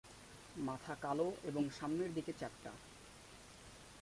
মাথা কালো এবং সামনের দিকে চ্যাপ্টা।